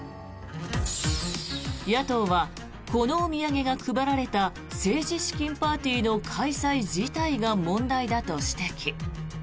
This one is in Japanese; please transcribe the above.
野党はこのお土産が配られた政治資金パーティーの開催自体が問題だと指摘。